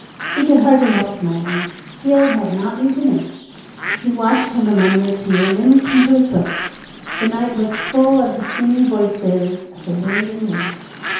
He could hardly help smiling. Field had not moved an inch. He watched him a moment or two and then returned to his books. The night was full of the singing voices of the wind and rain.